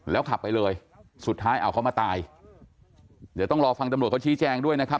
แล้วขับไปเลยสุดท้ายเอาเขามาตายเดี๋ยวต้องรอฟังตำรวจเขาชี้แจงด้วยนะครับ